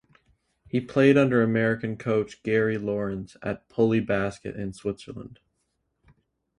He played under American coach Gary Lawrence at Pully Basket in Switzerland.